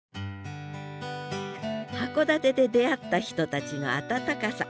函館で出会った人たちの温かさ。